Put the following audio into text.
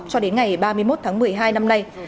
cho đến ngày ba mươi một tháng một mươi hai năm nay